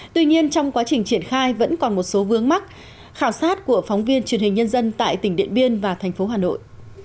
tuy nhiên trong quá trình triển khai vẫn còn một số vướng mắt khảo sát của phóng viên truyền hình nhân dân tại tỉnh điện biên và thành phố hà nội